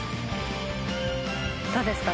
どうですか？